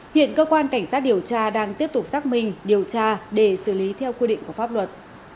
hiện cơ quan cảnh sát điều tra đang tiếp tục xác minh điều tra để xử lý theo quy định của pháp luật